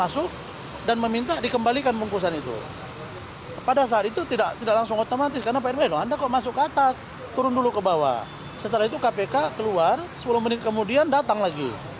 setelah itu kpk keluar sepuluh menit kemudian datang lagi